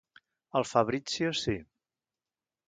El Fabrizio, sí.